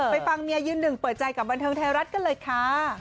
ฟังเมียยืนหนึ่งเปิดใจกับบันเทิงไทยรัฐกันเลยค่ะ